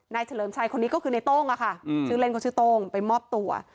เฉลิมชัยคนนี้ก็คือในโต้งอะค่ะชื่อเล่นเขาชื่อโต้งไปมอบตัว